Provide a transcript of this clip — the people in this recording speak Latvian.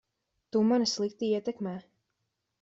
Tu mani slikti ietekmē.